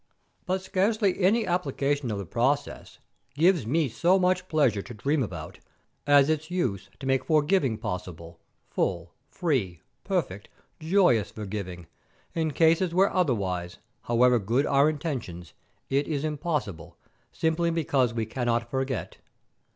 "But scarcely any application of the process gives me so much pleasure to dream about as its use to make forgiving possible, full, free, perfect, joyous forgiving, in cases where otherwise, however good our intentions, it is impossible, simply because we cannot forget.